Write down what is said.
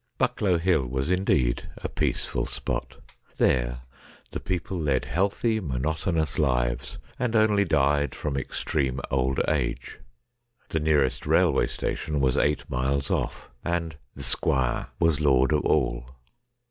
Bucklow Hill was indeed a peaceful spot. There the people led healthy, monotonous lives, and only died from extreme old age. The nearest railway station was eight miles off, and ' th' Squire ' was lord of all.